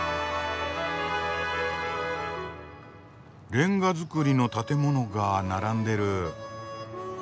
レンガ造りの建物が並んでる。